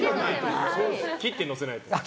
切って載せないと。